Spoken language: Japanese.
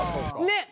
ねっ！